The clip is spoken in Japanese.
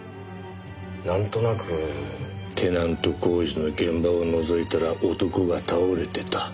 テナント工事の現場をのぞいたら男が倒れてた。